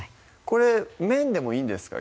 これ麺でもいいんですか？